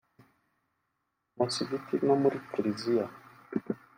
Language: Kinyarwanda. mu misigiti no mu kiriziya